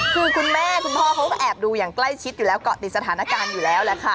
คือคุณแม่คุณพ่อเขาก็แอบดูอย่างใกล้ชิดอยู่แล้วเกาะติดสถานการณ์อยู่แล้วแหละค่ะ